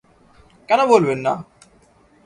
কেন বলবেন না!